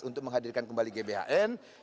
untuk menghadirkan kembali gbhn